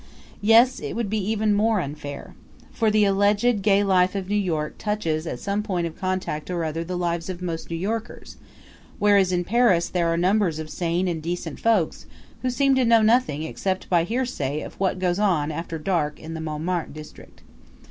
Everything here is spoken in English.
Yes, it would be even more unfair. For the alleged gay life of New York touches at some point of contact or other the lives of most New Yorkers, whereas in Paris there are numbers of sane and decent folks who seem to know nothing except by hearsay of what goes on after dark in the Montmartre district.